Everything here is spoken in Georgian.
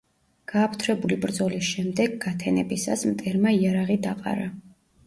გააფთრებული ბრძოლის შემდეგ, გათენებისას, მტერმა იარაღი დაყარა.